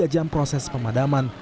tiga jam proses pemadaman